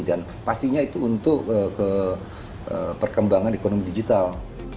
dan pastinya itu untuk perkembangan ekonomi digital